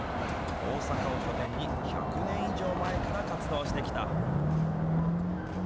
大阪を拠点に１００年以上前から活動してきた。